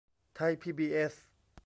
ไทยพีบีเอส